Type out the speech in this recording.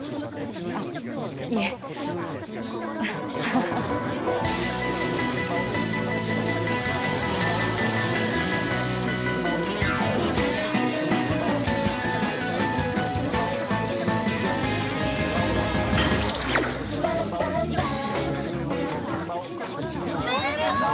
あっいえおめでとう！